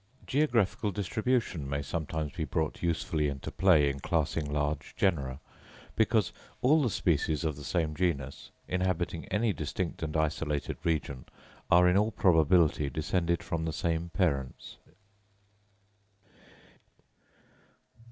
Geographical distribution may sometimes be brought usefully into play in classing large genera, because all the species of the same genus, inhabiting any distinct and isolated region, are in all probability descended from the same parents.